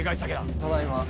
ただいま。